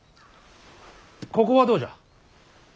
ここはどうじゃ。